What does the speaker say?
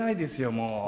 もう。